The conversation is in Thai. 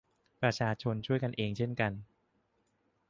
ประชาชนช่วยกันเองเช่นกัน